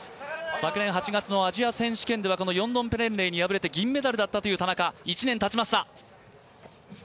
昨年８月のアジア選手権ではヨンドンペレンレイに敗れて銀メダルだった田中、１年たちました。